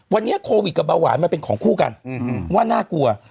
วันนี้โควิดกับเบาหวานมันเป็นของคู่กันว่าน่ากลัว